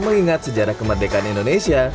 mengingat sejarah kemerdekaan indonesia